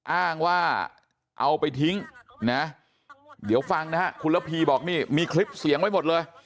อ้างว่าเอาไปทิ้งนะเดี๋ยวฟังนะฮะคุณระพีบอกนี่มีคลิปเสียงไว้หมดเลย